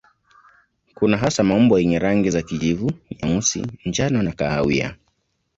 Kuna hasa maumbo yenye rangi za kijivu, nyeusi, njano na kahawia.